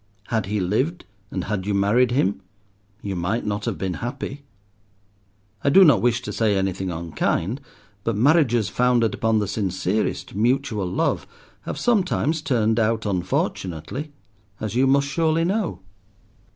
Had he lived, and had you married him, you might not have been happy. I do not wish to say anything unkind, but marriages founded upon the sincerest mutual love have sometimes turned out unfortunately, as you must surely know.